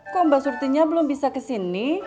kok mbak surtinya belum bisa kesini